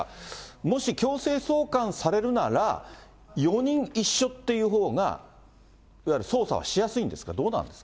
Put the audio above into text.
もし強制送還されるなら、４人一緒っていうほうがいわゆる捜査はしやすいんですか？